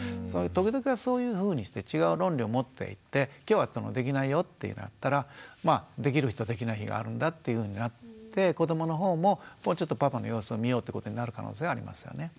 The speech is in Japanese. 時々はそういうふうにして違う論理を持っていて今日はできないよっていうのがあったらできる日とできない日があるんだっていうふうになって子どもの方もちょっとパパの様子を見ようってことになる可能性はありますよね。